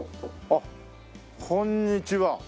あっこんにちは。